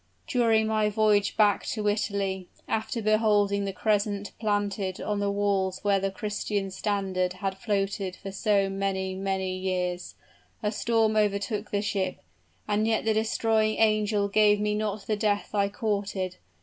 "During my voyage back to Italy after beholding the crescent planted on the walls where the Christian standard had floated for so many, many years a storm overtook the ship; and yet the destroying angel gave me not the death I courted.